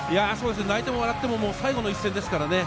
泣いても笑っても最後の一戦です。